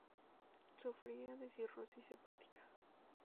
Sufría de cirrosis hepática.